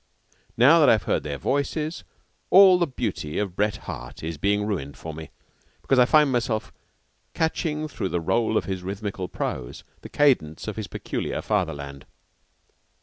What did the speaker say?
Now that I have heard their voices, all the beauty of Bret Harte is being ruined for me, because I find myself catching through the roll of his rhythmical prose the cadence of his peculiar fatherland.